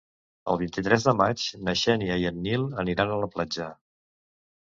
El vint-i-tres de maig na Xènia i en Nil aniran a la platja.